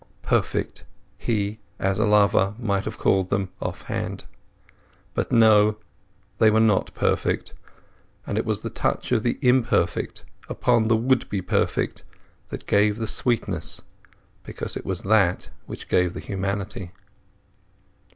Perfect, he, as a lover, might have called them off hand. But no—they were not perfect. And it was the touch of the imperfect upon the would be perfect that gave the sweetness, because it was that which gave the humanity.